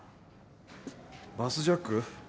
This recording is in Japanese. バスジャック？